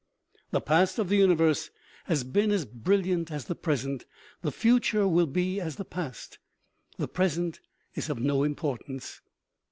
The past of the universe has been as brilliant as the present, the future will be as the past, the present is of no importance.